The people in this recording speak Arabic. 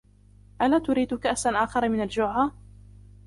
ألا تريد كأسا آخر من الجعة ؟